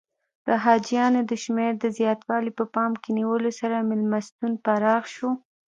د حاجیانو د شمېر د زیاتوالي په پام کې نیولو سره میلمستون پراخ شو.